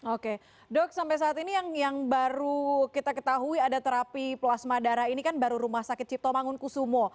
oke dok sampai saat ini yang baru kita ketahui ada terapi plasma darah ini kan baru rumah sakit cipto mangunkusumo